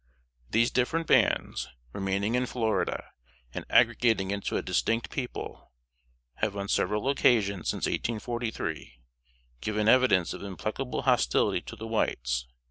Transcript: These different bands, remaining in Florida, and aggregating into a distinct people, have on several occasions since 1843, given evidence of implacable hostility to the whites.